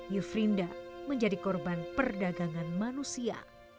yufrinda menjadi korban perdagangan manusia